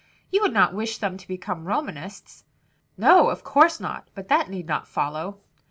"You would not wish them to become Romanists?" "No, of course not; but that need not follow."